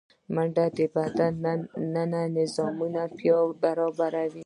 منډه د بدن دننه نظامونه برابروي